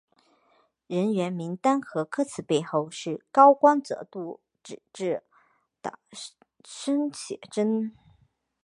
人员名单和歌词背后是高光泽度纸质的生写真。